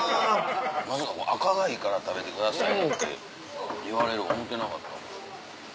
まさか赤貝から食べてくださいなんて言われる思うてなかった。